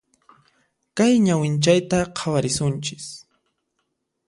Kay ñawinchayta khawarisunchis.